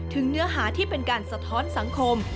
เนื้อหาที่เป็นการสะท้อนสังคม